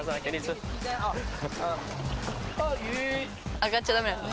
上がっちゃダメなのね。